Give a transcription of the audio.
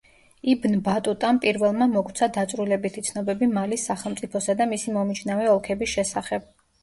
იბნ ბატუტამ პირველმა მოგვცა დაწვრილებითი ცნობები მალის სახელმწიფოსა და მისი მომიჯნავე ოლქების შესახებ.